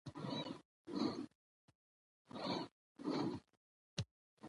عدالت د ټولنې د پرمختګ لامل ګرځي.